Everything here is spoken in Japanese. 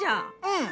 うん。